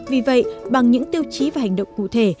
vì vậy bằng những tiêu chí và hành động cụ thể